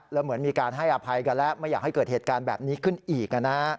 แล้วเหมือนมีการให้อภัยกันแล้วไม่อยากให้เกิดเหตุการณ์แบบนี้ขึ้นอีก